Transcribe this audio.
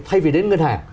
thay vì đến ngân hàng